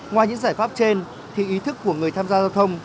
ngoài những giải pháp trên thì ý thức của người tham gia giao thông